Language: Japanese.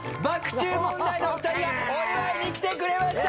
チュー問題のお二人がお祝いに来てくれました！